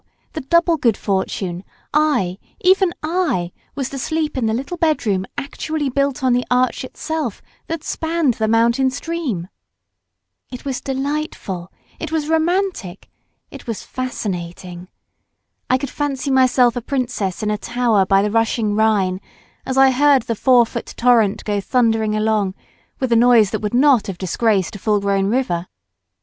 the double good fortune I, even I, was to sleep in the little bedroom actually built on the arch itself that spanned the mountain stream! It was delightful, it was romantic, it was fascinating. I could fancy myself a princess in a tower by the rushing Rhine as I heard the four foot torrent go thundering along with a noise that would not have disgraced a full grown river.